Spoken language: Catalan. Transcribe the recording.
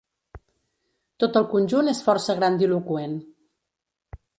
Tot el conjunt és força grandiloqüent.